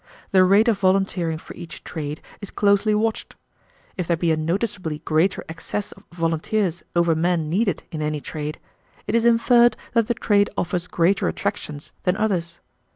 The rate of volunteering for each trade is closely watched. If there be a noticeably greater excess of volunteers over men needed in any trade, it is inferred that the trade offers greater attractions than others.